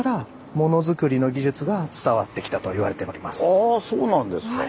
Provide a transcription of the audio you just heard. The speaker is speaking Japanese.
ああそうなんですか。